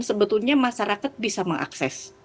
sebetulnya masyarakat bisa mengakses